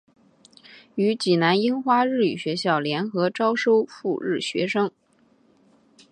与济南樱花日语学校联合招收赴日学生。